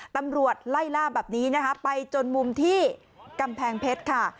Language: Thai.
ตำรวจไล่ล่าแบบนี้นะคะไปจนมุมที่กำแพงเพชรค่ะ